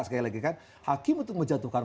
sekali lagi kan hakim untuk menjatuhkan